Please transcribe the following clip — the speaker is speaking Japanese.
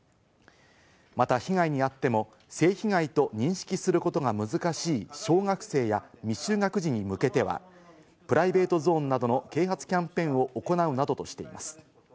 また被害にあっても、性被害と認識することが難しい小学生や未就学児に向けては、プライベートゾーンなどの啓発キャンペーンを行うなどとしています。